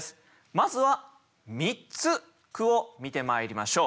まずは３つ句を見てまいりましょう。